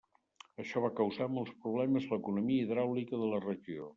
Això va causar molts problemes a l'economia hidràulica de la regió.